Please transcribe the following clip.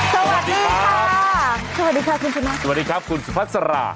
สวัสดีค่ะสวัสดีค่ะสวัสดีค่ะสวัสดีครับคุณสุภัทรสาร่า